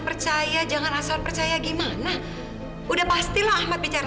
orang ngerjain hidup memburu